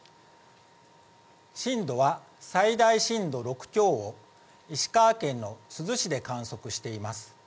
震度は、最大震度６強を石川県の珠洲市で観測しています。